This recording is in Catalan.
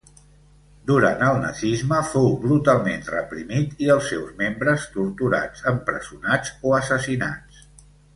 Durant el nazisme, fou brutalment reprimit i els seus membres torturats, empresonats o assassinats.